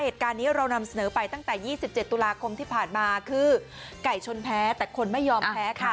เหตุการณ์นี้เรานำเสนอไปตั้งแต่๒๗ตุลาคมที่ผ่านมาคือไก่ชนแพ้แต่คนไม่ยอมแพ้ค่ะ